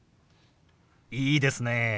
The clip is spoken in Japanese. いいですね。